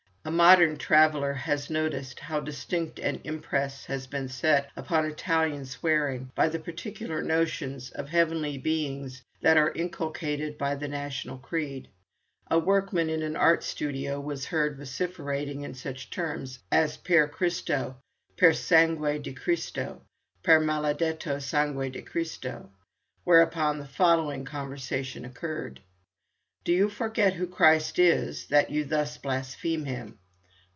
A modern traveller has noticed how distinct an impress has been set upon Italian swearing by the particular notions of heavenly beings that are inculcated by the national creed. A workman in an art studio was heard vociferating in such terms as "Per Christo," "Per sangue di Christo," "Per maladetto sangue di Christo," whereupon the following conversation occurred: "Do you forget who Christ is, that you thus blaspheme Him?"